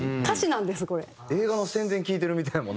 映画の宣伝聞いてるみたいやもん